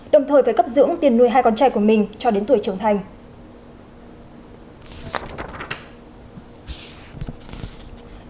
đồng thời phải cấp dưỡng tiền nuôi hai con trai của mình cho đến tuổi trưởng thành